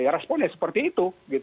responnya seperti itu